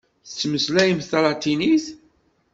Tettmeslayemt talatinit?